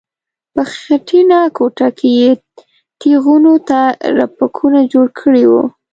په خټینه کوټه کې یې تیغونو ته رپکونه جوړ کړي وو.